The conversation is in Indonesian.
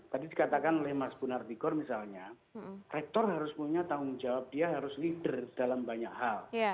tadi dikatakan oleh mas bunardikor misalnya rektor harus punya tanggung jawab dia harus leader dalam banyak hal